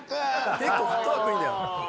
結構フットワークいいんだよ。